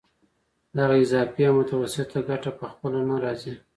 دغه اضافي او متوسطه ګټه په خپله نه راځي